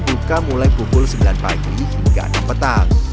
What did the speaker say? buka mulai pukul sembilan pagi hingga enam petang